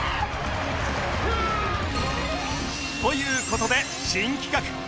という事で新企画